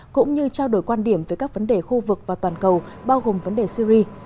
cũng như trao đổi quan điểm về các vấn đề khu vực và toàn cầu bao gồm vấn đề syri